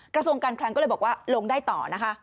กระทรวงการคลังก็เลยบอกว่าลงได้ต่อนะคะ